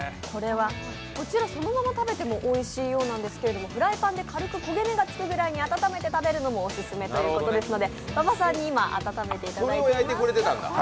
こちらそのまま食べてもおいしいそうなんですけど軽く焦げ目がつくくらいに温めてもおいしいということで馬場さんに今、温めていただいてもらっています。